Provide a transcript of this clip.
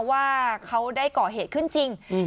ว่าเขาได้ก่อเหตุขึ้นจริง